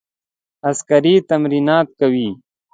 عسکري تمرینات کوي.